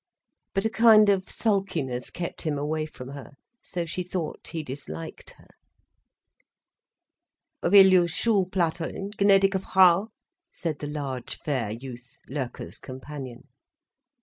But a kind of sulkiness kept him away from her, so she thought he disliked her. "Will you schuhplätteln, gnädige Frau?" said the large, fair youth, Loerke's companion.